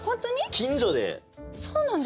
近所で。